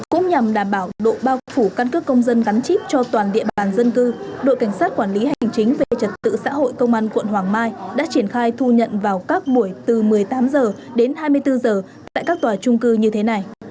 cũng nhằm đảm bảo độ bao phủ căn cước công dân gắn chip cho toàn địa bàn dân cư đội cảnh sát quản lý hành chính về trật tự xã hội công an quận hoàng mai đã triển khai thu nhận vào các buổi từ một mươi tám h đến hai mươi bốn h tại các tòa trung cư như thế này